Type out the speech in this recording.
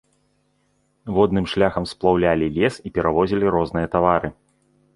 Водным шляхам сплаўлялі лес і перавозілі розныя тавары.